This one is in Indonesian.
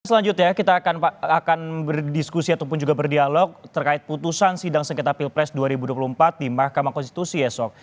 selanjutnya kita akan berdiskusi ataupun juga berdialog terkait putusan sidang sengketa pilpres dua ribu dua puluh empat di mahkamah konstitusi esok